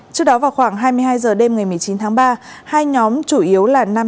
trước đó vào khoảng hai mươi hai h đêm ngày một mươi chín tháng ba hai nhóm chủ yếu là nam